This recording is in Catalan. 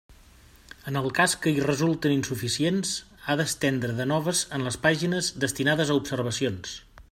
En el cas que hi resulten insuficients, ha d'estendre de noves en les pàgines destinades a observacions.